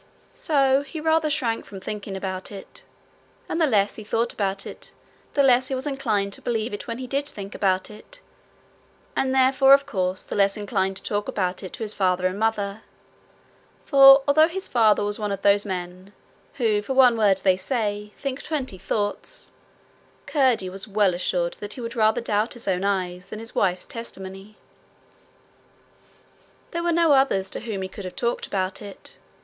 So he rather shrank from thinking about it, and the less he thought about it, the less he was inclined to believe it when he did think about it, and therefore, of course, the less inclined to talk about it to his father and mother; for although his father was one of those men who for one word they say think twenty thoughts, Curdie was well assured that he would rather doubt his own eyes than his wife's testimony. There were no others to whom he could have talked about it.